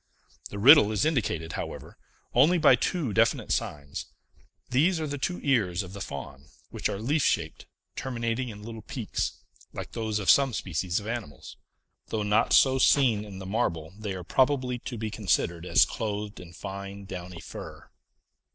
The riddle is indicated, however, only by two definite signs: these are the two ears of the Faun, which are leaf shaped, terminating in little peaks, like those of some species of animals. Though not so seen in the marble, they are probably to be considered as clothed in fine, downy fur.